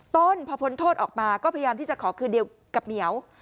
ต้นพอพ้นโทษออกมาก็พยายามที่จะขอคืนเดียวกับเหมียว